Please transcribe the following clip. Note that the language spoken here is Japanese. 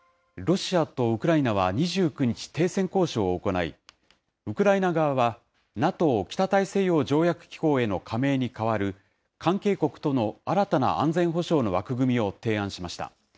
ロシアとウクライナは２９日、停戦交渉を行い、ウクライナ側は、ＮＡＴＯ・北大西洋条約機構への加盟に代わる、関係国との新たな安全保障の枠組みを提案しました。